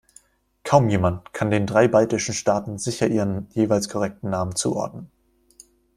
Kaum jemand kann den drei baltischen Staaten sicher ihren jeweils korrekten Namen zuordnen.